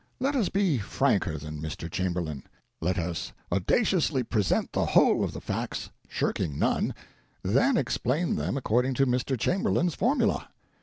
Let us be franker than Mr. Chamberlain; let us audaciously present the whole of the facts, shirking none, then explain them according to Mr. Chamberlain's formula.